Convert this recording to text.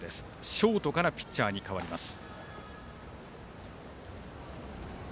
ショートからピッチャーに変わります。